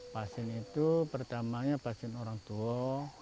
pasien itu pertamanya pasien orang tua